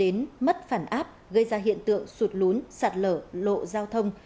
dẫn đến mất phản áp gây ra hiện tượng sụt lún sạt lở lộ giao thông